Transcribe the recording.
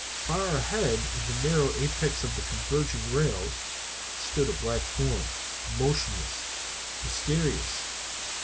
Far ahead, in the narrow apex of the converging rails stood a black form, motionless, mysterious.